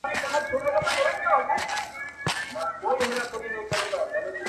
صوفي سمدستي شروع په نصیحت سو،